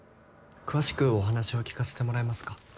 詳しくお話を聞かせてもらえますか？